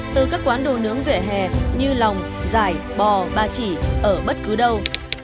từ các quán đồ nướng vỉa hè như lòng giải bò ba chỉ ở bất cứ đâu